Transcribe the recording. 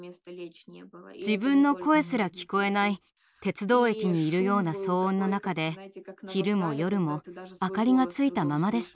自分の声すら聞こえない鉄道駅にいるような騒音の中で昼も夜も明かりがついたままでした。